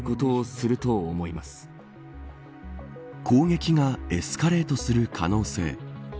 攻撃がエスカレートする可能性。